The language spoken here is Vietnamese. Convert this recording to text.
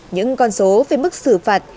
những con số về mức xử phạt